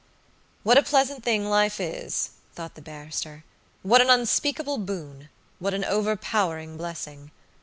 "What a pleasant thing life is," thought the barrister. "What an unspeakable boonwhat an overpowering blessing!